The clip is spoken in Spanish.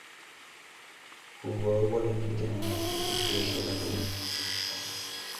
Jugó de guardameta en el Athletic Club de la Primera División de España.